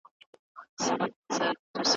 که قیچي وي نو کاغذ نه شلیږي.